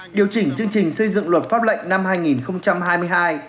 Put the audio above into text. điều chỉnh chương trình xây dựng luật pháp lệnh năm hai nghìn hai mươi hai